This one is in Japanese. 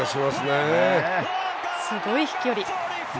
すごい飛距離。